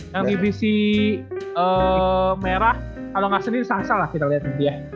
yang divisi merah kalo gak sering salah salah kita lihatin dia